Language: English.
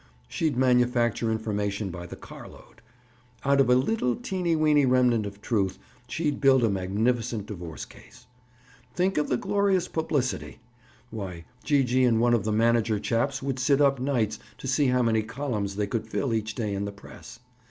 "She'd manufacture information by the car load. Out of a little, teeny weeny remnant of truth, she'd build a magnificent divorce case. Think of the glorious publicity! Why, Gee gee and one of the manager chaps would sit up nights to see how many columns they could fill each day in the press.